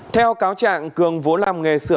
theo cáo trạng cường vốn làm một việc để trộm cắp tài sản